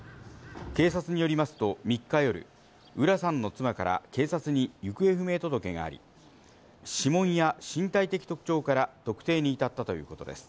警察によりますと、３日夜、浦さんの妻から警察に行方不明届があり、指紋や身体的特徴から特定に至ったということです。